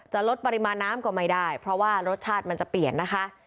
ลดปริมาณน้ำก็ไม่ได้เพราะว่ารสชาติมันจะเปลี่ยนนะคะ